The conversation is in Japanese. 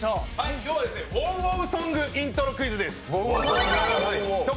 今日はＷＯＷＷＯＷソングイントロクイズです。